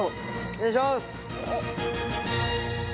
お願いします！